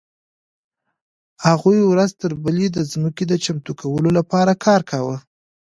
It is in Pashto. هغوی ورځ تر بلې د ځمکې د چمتو کولو لپاره کار کاوه.